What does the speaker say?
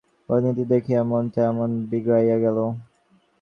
অমূল্যের মধ্যে নিজের ভবিষ্যৎ প্রতিনিধিকে দেখিয়াই মনটা এমন বিগড়াইয়া গেল?